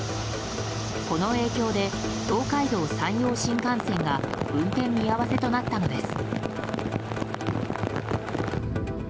この影響で東海道・山陽新幹線が運転見合わせとなったのです。